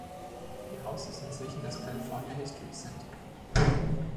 Ihr Haus ist inzwischen das California History Center.